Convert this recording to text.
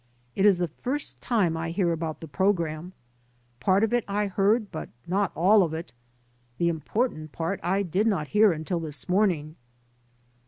It is the first time I heard about iht program. Part of it I heard, but not all of it. The important part I did not hear until this morning."